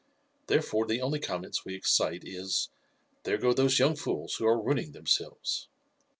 Therefore the only comments we excite is, 'There go those young fools who are ruining themselves.'